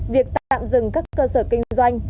việc tạm dừng các cơ sở kinh doanh